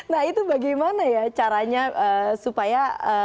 nah itu bagaimana ya caranya supaya